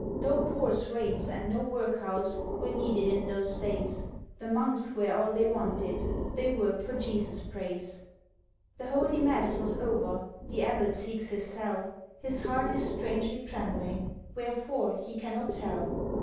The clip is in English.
No poor's rates, and no workhouse, Were needed in those days, The monks were all they wanted, They work'd for Jesu's praise. The Holy Mass was over, The Abbot seeks his cell, His heart is strangely trembling, Wherefore he cannot tell.